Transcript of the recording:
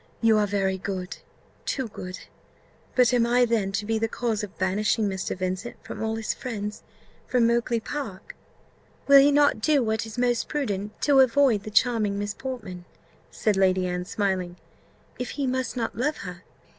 "You are very good too good. But am I then to be the cause of banishing Mr. Vincent from all his friends from Oakly park?" "Will he not do what is most prudent, to avoid the charming Miss Portman," said Lady Anne, smiling, "if he must not love her?